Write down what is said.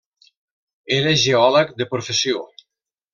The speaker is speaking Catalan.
Era geòleg de professió.